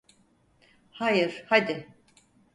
Hayır, hadi.